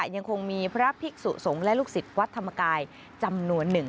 ยังคงมีพระภิกษุสงฆ์และลูกศิษย์วัดธรรมกายจำนวนหนึ่ง